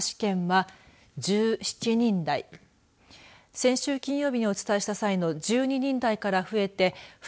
先週金曜日にお伝えした際の１９．４３人から少し増えています。